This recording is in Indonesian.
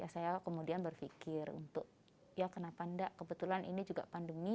saya kemudian berpikir untuk ya kenapa enggak kebetulan ini juga pandemi